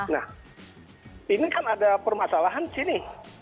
nah ini kan ada permasalahan di sini